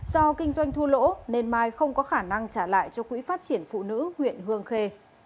do kinh doanh thua lỗ nên mai không có khả năng trả lại cho quỹ phát triển phụ nữ huyện hương khê